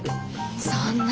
そんな。